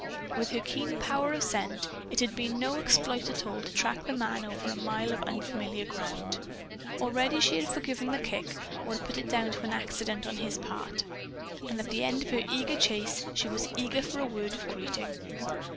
With her keen power of scent, it had been no exploit at all to track the man over a mile of unfamiliar ground. Already she had forgiven the kick or had put it down to accident on his part. And at the end of her eager chase, she was eager for a word of greeting.